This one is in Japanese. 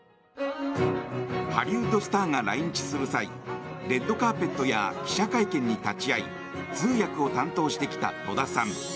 ハリウッドスターが来日する際レッドカーペットや記者会見に立ち会い通訳を担当してきた戸田さん。